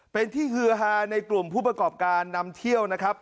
เป็นที่ฮือฮาในกลุ่มผู้ประกอบการนำเที่ยวนะครับ